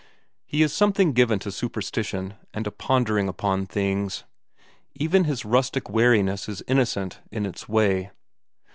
He is something given to superstition and a pondering upon things; even his rustic wariness is innocent in its way.